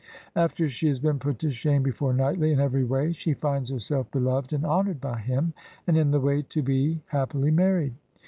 After she has been put to shame before Knightley in every way, she finds herself beloved and honored by him and in the way to be happily married.